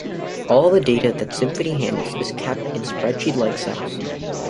All the data that Symphony handles is kept in spreadsheet-like cells.